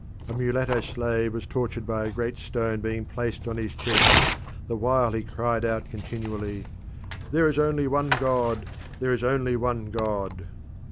A mulatto slave was tortured by a great stone being placed on his chest, the while he cried out continually, "There is only one God! There is only one God!"